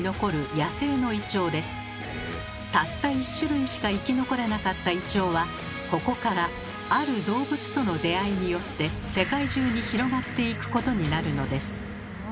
たった１種類しか生き残れなかったイチョウはここからある動物との出会いによって世界中に広がっていくことになるのです。